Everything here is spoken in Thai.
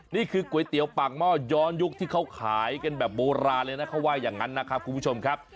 นี่คือก๋วยเตี๋ยวปากหม้อย้อนยุคที่เขาขายกันแบบโบราณเลยนะเขาว่าอย่างนั้นนะครับคุณผู้ชมครับ